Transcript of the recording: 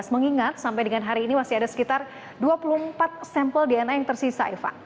mengingat sampai dengan hari ini masih ada sekitar dua puluh empat sampel dna yang tersisa eva